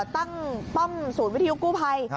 ป้อมศูนย์วิทยุกู้ภัย